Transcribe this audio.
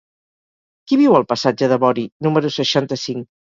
Qui viu al passatge de Bori número seixanta-cinc?